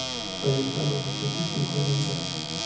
Falleció a los ochenta y cinco años de edad.